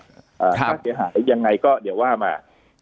ค่าเสียหายหรือยังไงก็เดี๋ยวว่ามา